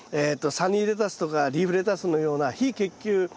サニーレタスとかリーフレタスのような非結球